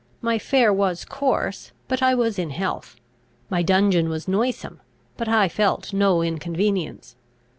My fare was coarse; but I was in health. My dungeon was noisome; but I felt no inconvenience.